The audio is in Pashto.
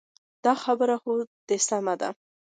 دا خبره خو دې سمه ده.